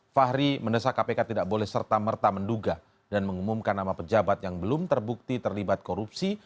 fahri mendesak kpk tidak boleh serta merta menduga dan mengumumkan nama pejabat yang belum terbukti terlibat korupsi